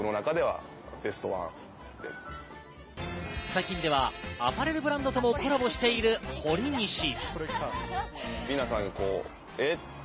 最近ではアパレルブランドともコラボしているほりにし。